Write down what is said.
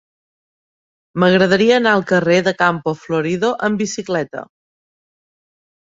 M'agradaria anar al carrer de Campo Florido amb bicicleta.